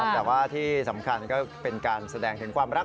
แต่ว่าที่สำคัญก็เป็นการแสดงถึงความรัก